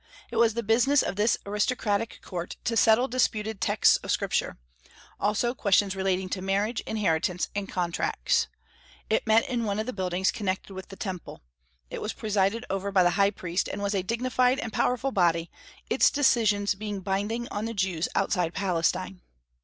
It was the business of this aristocratic court to settle disputed texts of Scripture; also questions relating to marriage, inheritance, and contracts. It met in one of the buildings connected with the Temple. It was presided over by the high priest, and was a dignified and powerful body, its decisions being binding on the Jews outside Palestine.